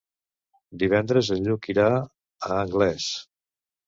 Divendres en Lluc irà a Anglès.